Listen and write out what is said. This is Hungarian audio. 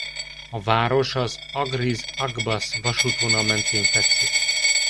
A város az Agriz–Akbas vasútvonal mentén fekszik.